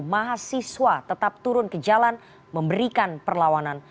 mahasiswa tetap turun ke jalan memberikan perlawanan